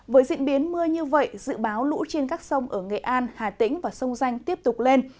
với diễn biến mưa như vậy dự báo lũ trên các sông ở nghệ an hà tĩnh và sông danh tiếp tục lên